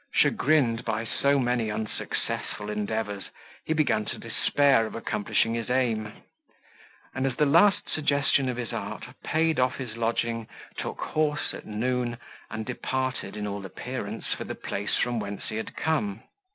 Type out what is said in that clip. Chagrined by so many unsuccessful endeavours, he began to despair of accomplishing his aim; and, as the last suggestion of his art, paid off his lodging, took horse at noon, and departed, in all appearance, for the place from whence he had come.